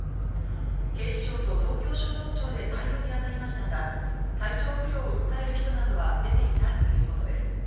警視庁と東京消防庁で対応に当たりましたが体調不良を訴える人などは出ていないということです。